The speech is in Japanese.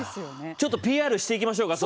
ちょっとＰＲしていきましょうか。